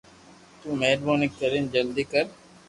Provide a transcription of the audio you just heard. تو مھربوني ڪرين جلدي ڪر